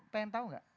pengen tau nggak